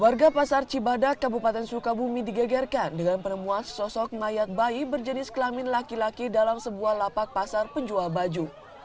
warga pasar cibadak kabupaten sukabumi digegerkan dengan penemuan sosok mayat bayi berjenis kelamin laki laki dalam sebuah lapak pasar penjual baju